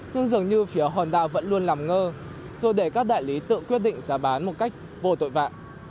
nhưng dường như phía hòn đảo vẫn luôn làm ngơ rồi để các đại lý tự quyết định giá bán một cách vô tội vạ